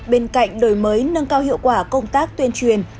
bên cạnh đổi mới nâng cao hiệu quả công tác tuyên truyền